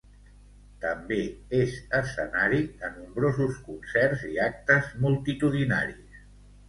També és escenari de nombrosos concerts i actes multitudinaris.